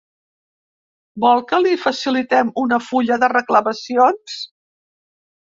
Vol que li facilitem una fulla de reclamacions?